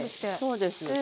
そうです。